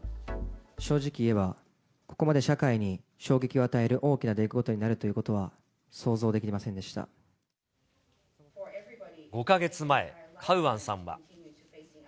正直言えば、ここまで社会に衝撃を与える大きな出来事になるということは、５か月前、カウアンさんは。